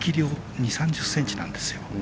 ２０３０ｃｍなんですよ。